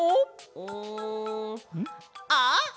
うん。あっ！